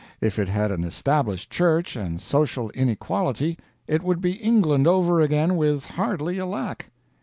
If it had an established Church and social inequality it would be England over again with hardly a lack.